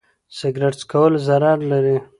سګرټ څکول ضرر لري.